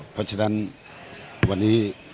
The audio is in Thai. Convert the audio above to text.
เพราะฉะนั้นวันนี้